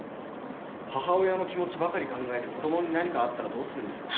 母親の気持ちばかり考えて子供に何かあったらどうするんですか？